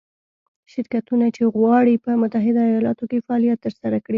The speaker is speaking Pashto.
شرکتونه چې غواړي په متحده ایالتونو کې فعالیت ترسره کړي.